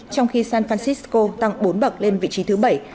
trong khi san francisco tăng bốn bậc lên vị trí thứ bảy